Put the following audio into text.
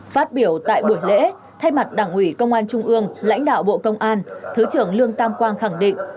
phát biểu tại buổi lễ thay mặt đảng ủy công an trung ương lãnh đạo bộ công an thứ trưởng lương tam quang khẳng định